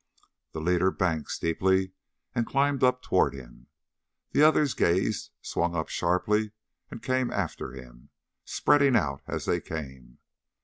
The leader banked steeply and climbed upward toward him. The others gazed, swung sharply, and came after him, spreading out as they came.